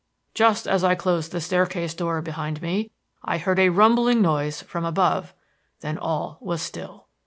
Just as I closed the staircase door behind me, I heard a rumbling noise from above; then all was still.